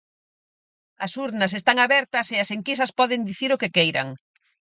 As urnas están abertas e as enquisas poden dicir o que queiran.